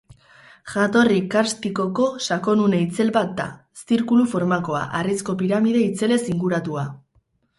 Jatorri karstikoko sakonune itzel bat da, zirkulu formakoa, harrizko piramide itzelez inguratua.